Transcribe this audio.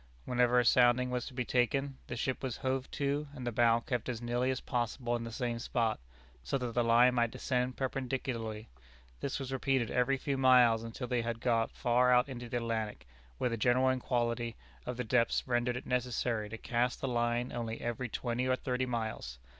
Whenever a sounding was to be taken, the ship was hove to, and the bow kept as nearly as possible in the same spot, so that the line might descend perpendicularly. This was repeated every few miles until they had got far out into the Atlantic, where the general equality of the depths rendered it necessary to cast the line only every twenty or thirty miles.